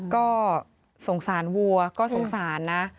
ก็สงสารวัวก็สงสารนะ